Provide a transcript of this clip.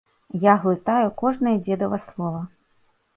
Я глытаю кожнае дзедава слова.